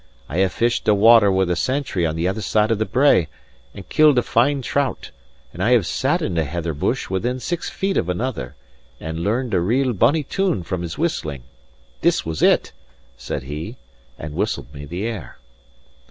I have fished a water with a sentry on the other side of the brae, and killed a fine trout; and I have sat in a heather bush within six feet of another, and learned a real bonny tune from his whistling. This was it," said he, and whistled me the air.